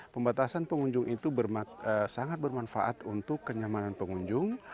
pembatasan pengunjung itu sangat bermanfaat untuk kenyamanan pengunjung